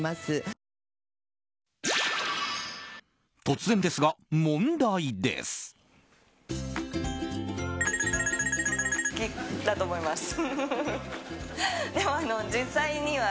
突然ですが問題です。